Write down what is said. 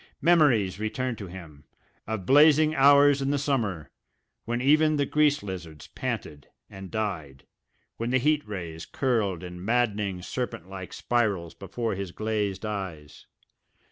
Memories returned to him, of blazing hours in the summer, when even the grease lizards panted and died, when the heat rays curled in maddening serpent like spirals before his glazed eyes.